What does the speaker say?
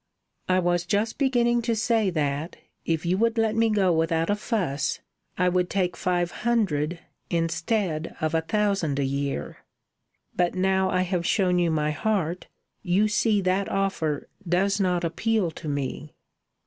"I was just beginning to say that, if you would let me go without a fuss, I would take five hundred instead of a thousand a year." "But now I have shown you my heart, you see that offer does not appeal to me."